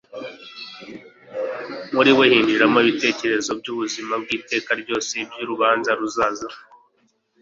Muri we hinjiramo ibitekerezo by’ubuzima bw’iteka ryose, iby’urubanza ruzaza,